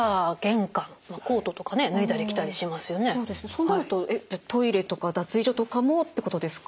そうなるとトイレとか脱衣所とかもってことですか？